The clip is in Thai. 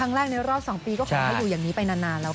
ในรอบ๒ปีก็ขอให้อยู่อย่างนี้ไปนานแล้วค่ะ